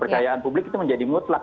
kepercayaan publik itu menjadi mutlak